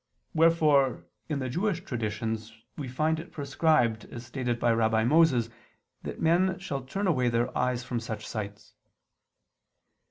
Wherefore in the Jewish traditions we find it prescribed as stated by Rabbi Moses that men shall turn away their eyes from such sights.